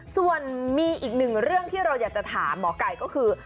ส่วนมีอีกหนึ่งเรื่องที่เราอยากจะถามหมอไก่ก็คือ